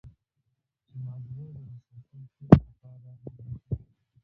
چې مازغه د مسلسل سوچ د پاره وېخ وي